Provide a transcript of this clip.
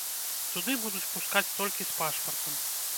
Туды будуць пускаць толькі з пашпартам.